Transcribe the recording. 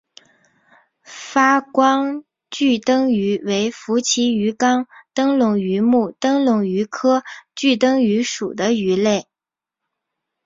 发光炬灯鱼为辐鳍鱼纲灯笼鱼目灯笼鱼科炬灯鱼属的鱼类。